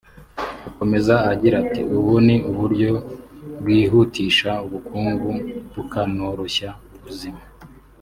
Akomeza agira ati ”Ubu ni uburyo bwihutisha ubukungu bukanoroshya ubuzima